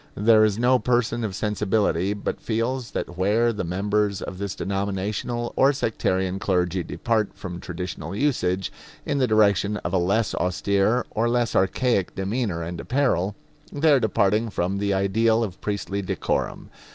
There is no person of sensibility but feels that where the members of this denominational or sectarian clergy depart from traditional usage, in the direction of a less austere or less archaic demeanor and apparel, they are departing from the ideal of priestly decorum.